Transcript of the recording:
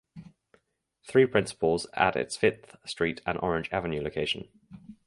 Three principals at its Fifth Street and Orange Avenue location.